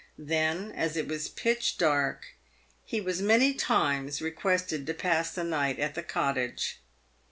Then, as it was pitch dark, he was many times requested to pass the night at the cottage.